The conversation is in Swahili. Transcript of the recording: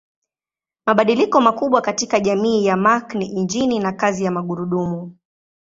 Mabadiliko makubwa katika jamii ya Mark ni injini na kazi ya magurudumu.